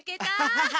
アハハハ！